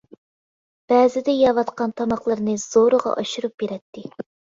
بەزىدە يەۋاتقان تاماقلىرىنى زورىغا ئاشۇرۇپ بېرەتتى.